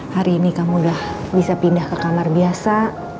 hari ini kamu udah bisa pindah ke kamar biasa